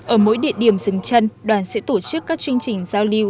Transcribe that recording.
ở mỗi địa điểm dừng chân đoàn sẽ tổ chức các chương trình giao lưu